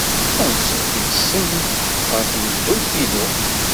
Anṣuf yes-m ɣer tmeddurt-inu!